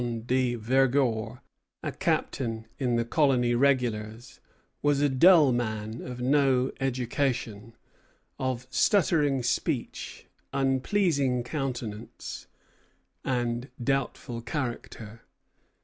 The commandant, Duchambon de Vergor, a captain in the colony regulars, was a dull man of no education, of stuttering speech, unpleasing countenance, and doubtful character.